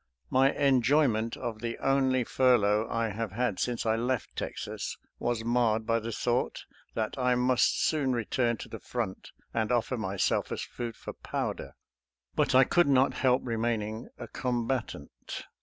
My enjoyment of the only fur lough I have had since I left Texas was marred by the thought that I must soon return to the front and offer myself as food for powder, but I could not help remaining a combatant.